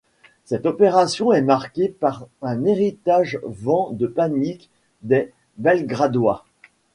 Cette opération est marquée par un véritable vent de panique des Belgradois.